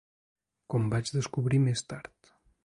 Com vaig descobrir més tard